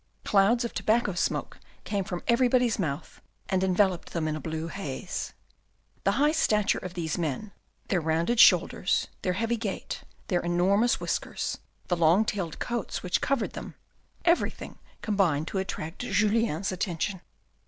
Clouds of tobacco smoke came from everybody's mouth, and enveloped them in a blue haze. The high stature of these men, their rounded shoulders, their heavy gait, their enormous whiskers, the long tailed coats which covered them, everything combined to attract Julien's attention.